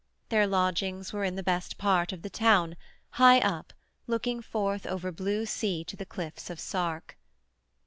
Their lodgings were in the best part of the town, high up, looking forth over blue sea to the cliffs of Sark.